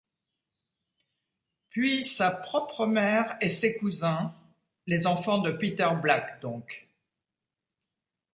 Puis sa propre mère et ses cousins, les enfants de Peter Black donc.